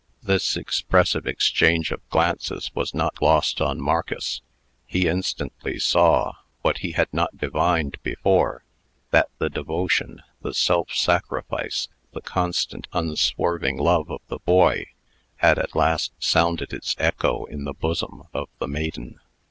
This expressive exchange of glances was not lost on Marcus. He instantly saw, what he had not divined before, that the devotion, the self sacrifice, the constant, unswerving love of the boy, had at last sounded its echo in the bosom of the maiden.